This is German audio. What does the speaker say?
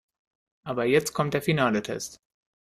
Aber jetzt kommt der finale Test.